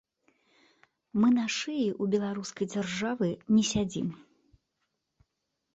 Мы на шыі ў беларускай дзяржавы не сядзім.